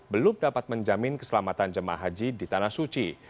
belum dapat menjamin keselamatan jemaah haji di tanah suci